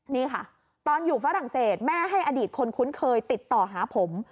นี่ค่ะตอนอยู่ฝรั่งเศสแม่ให้อดีตคนคุ้นเคยติดต่อหาผม